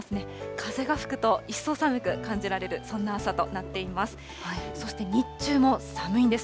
風が吹くと一層寒く感じられる、そんな朝となっています。